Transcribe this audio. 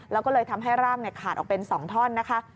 แล้วก็เลยทำให้ร่างขาดออกเป็น๒ท่อนนะคะ